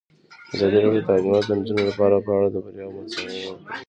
ازادي راډیو د تعلیمات د نجونو لپاره په اړه د بریاوو مثالونه ورکړي.